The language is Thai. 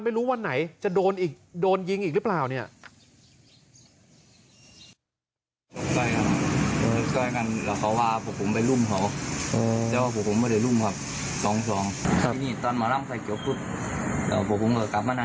ไม่รู้วันไหนจะโดนยิงอีกหรือเปล่า